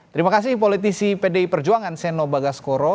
terima kasih politisi pdi perjuangan seno bagaskoro